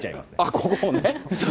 ここをね。